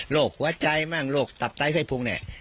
โรคหัวใจมั่งโรคตับใต้ไส้พลุง